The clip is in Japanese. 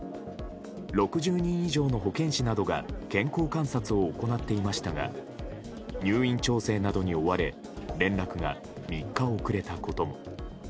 ６０人以上の保健師などが健康観察を行っていましたが入院調整などに追われ連絡が３日遅れたことも。